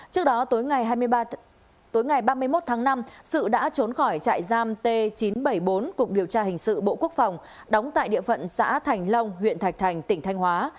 trước đó tối ngày ba mươi một tháng năm sự đã trốn khỏi trại giam t chín trăm bảy mươi bốn cục điều tra hình sự bộ quốc phòng đóng tại địa phận xã thành long huyện thạch thành tỉnh thanh hóa